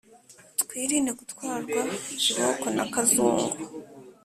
twirinde gutwarwa kiboko na kazungu.